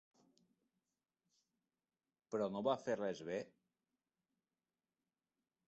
Però no va fer res bé?